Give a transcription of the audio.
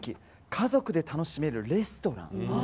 家族で楽しめるレストラン。